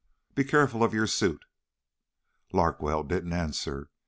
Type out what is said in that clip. "Be careful of your suit." Larkwell didn't answer.